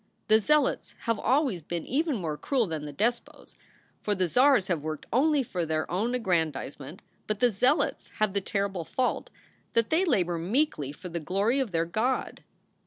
The zealots have always been even more cruel than the despots, for the czars have worked only for their own aggrandizement, but the zealots have the terrible fault that they labor meekly for the glory of their God.